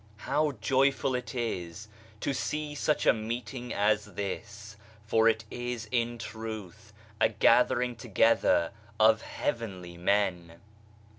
1LTOW joyful it is to see such a meeting as this, for it is * in truth a gathering together of " heavenly men."